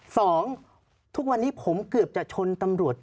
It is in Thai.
สองทุกวันนี้ผมเกือบจะชนตำรวจ